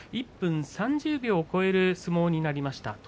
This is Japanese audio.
１分３０秒を超える相撲になりました。